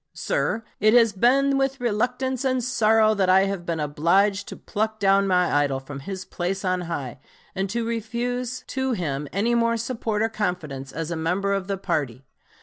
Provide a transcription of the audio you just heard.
Sir, it has been with reluctance and sorrow that I have been obliged to pluck down my idol from his place on high, and to refuse to him any more support or confidence as a member of the party.